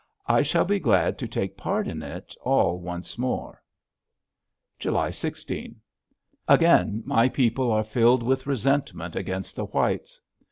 I shall be glad to take part in it all once more. July 16. Again my people are filled with resentment against the whites.